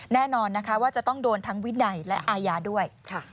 แน่นอนนะคะว่าจะต้องโดนทั้งวินัยและอาญาด้วย